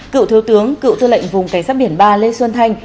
cựu thiếu tướng cựu tư lệnh vùng cảnh sát biển ba lê xuân thanh